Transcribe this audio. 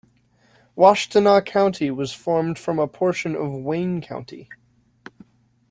Washtenaw County was formed from a portion of Wayne County.